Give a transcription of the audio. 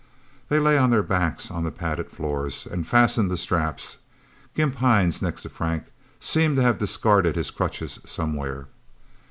They lay on their backs on the padded floors, and fastened the straps. Gimp Hines, next to Frank, seemed to have discarded his crutches, somewhere.